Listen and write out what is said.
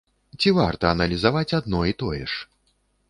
Ці варта аналізаваць адно і тое ж?